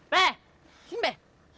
be sini be